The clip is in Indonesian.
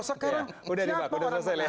udah di panggil orang munafik